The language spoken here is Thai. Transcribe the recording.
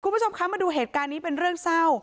คุณผู้ชมคะมาดูเหตุการณ์นี้เป็นเรื่องเศร้า